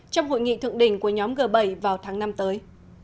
trong hội nghị thượng đỉnh của nhóm g bảy vào tháng năm tới